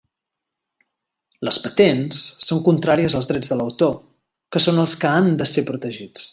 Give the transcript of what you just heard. Les patents són contràries als drets de l'autor, que són els que han de ser protegits.